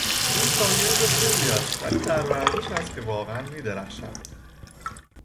او شاگرد خوبی است ولی در ورزش است که واقعا میدرخشد.